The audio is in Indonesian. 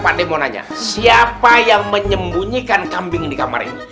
pane mau nanya siapa yang menyembunyikan kambing di kamar ini